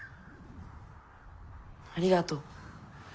ありがとう。